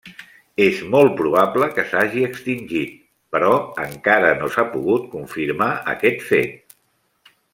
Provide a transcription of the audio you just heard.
És molt probable que s'hagi extingit, però encara no s'ha pogut confirmar aquest fet.